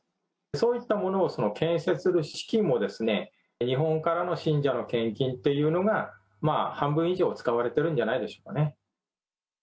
そういったものを建設する資金も、日本からの信者の献金っていうのが、半分以上使われてるんじゃないでしょうかね。